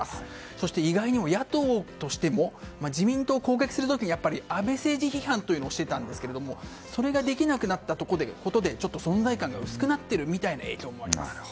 そして、意外にも野党としても自民党を攻撃する時に安倍政治非難をしていたんですがそれができなくなったことで存在感が薄くなっているみたいな影響もあります。